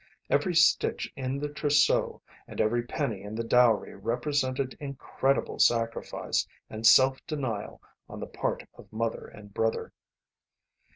Every stitch in the trousseau and every penny in the dowry represented incredible sacrifice and self denial on the part of mother and brother.